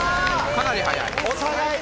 かなり早い！